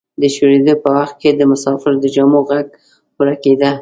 د شورېدو په وخت کې د مسافرو د جامو غږ ورکیده.